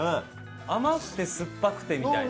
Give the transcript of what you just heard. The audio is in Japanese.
甘くて酸っぱくてみたいな。